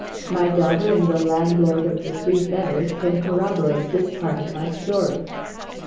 My daughter and the landlord of The Three Feathers can corroborate this part of my story.